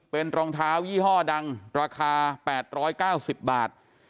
เป็นรองเท้ายี่ห้อดังราคาแปดร้อยเก้า้สิบบาท